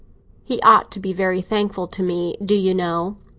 He ought to be very thankful to me, do you know.